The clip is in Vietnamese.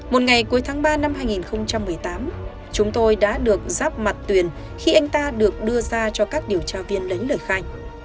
một ngày cuối tháng ba năm hai nghìn một mươi tám chúng tôi đã được rắp mặt tuyền khi anh ta được đưa ra cho các điều tra viên lấy lời khai